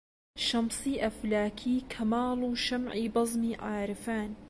شەمسی ئەفلاکی کەماڵ و شەمعی بەزمی عارفان